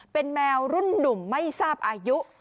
เป็นแมวรุ่นหนุ่มไม่ทราบอายุ